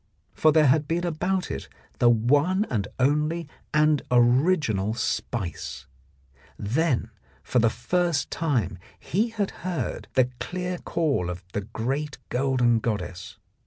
For there had been about it the one and only and original spice; then for the first time he had heard the clear call of the great golden goddess.